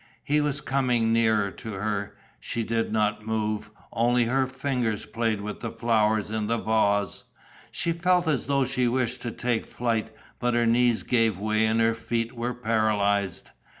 He was coming nearer to her. She did not move, only her fingers played with the flowers in the vase. She felt as though she wished to take flight, but her knees gave way and her feet were paralysed.